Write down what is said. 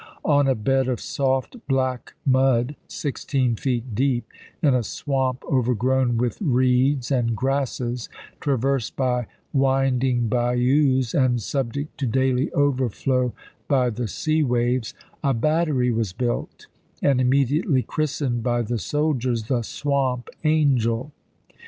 On a bed of soft black mud, sixteen feet deep, in a swamp overgrown with reeds and grasses, traversed by winding bayous, and subject Vol. VII.— 28 434 ABRAHAM LINCOLN chap. xv. to daily overflow by the sea waves, a battery was built and immediately christened by the soldiers the " Swamp Angel."